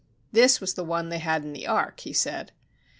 "This was the one they had in the Ark," he said.